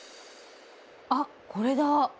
あっこれだ。